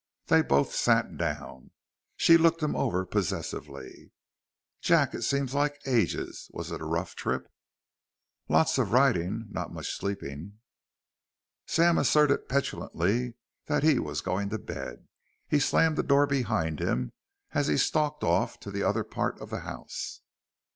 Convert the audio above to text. They both sat down. She looked him over possessively. "Jack, it seems like ages. Was it a rough trip?" "Lots of riding, not much sleeping." Sam asserted petulantly that he was going to bed. He slammed the door behind him as he stalked off to the other part of the house.